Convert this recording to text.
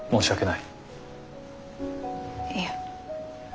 いや。